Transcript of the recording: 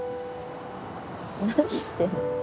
何してんの？